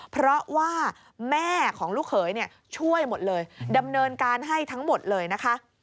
เพราะว่าแม่ของลูกเขยช่วยหมดเลยดำเนินการให้ทั้งหมดเลยนะคะ